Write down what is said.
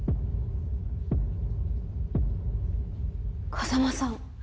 ・風真さん